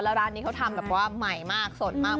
แล้วร้านนี้เขาทำแบบว่าใหม่มากสดมาก